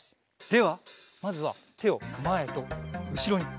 ではまずはてをまえとうしろに。